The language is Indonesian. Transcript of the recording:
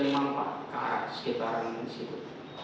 ke arah sekitaran disitu